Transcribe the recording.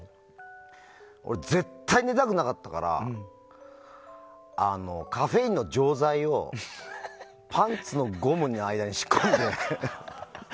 俺、絶対寝たくなかったからカフェインの錠剤をパンツのゴムの間に仕込んで。